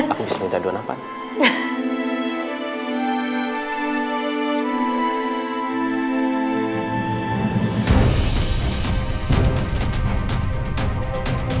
aku bisa minta doa apa